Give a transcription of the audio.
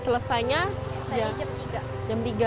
selesainya jam tiga